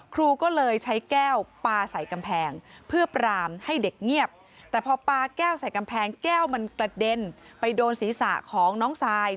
แก้วมันกระเด็นไปโดนศีรษะของน้องซาย